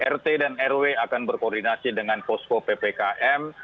rt dan rw akan berkoordinasi dengan posko ppkm